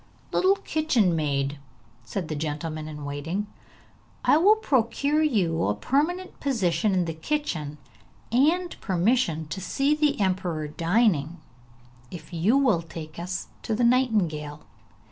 'Little kitchen maid,' said the gentleman in waiting, 'I will procure you a permanent position in the kitchen, and permission to see the emperor dining, if you will take us to the nightingale.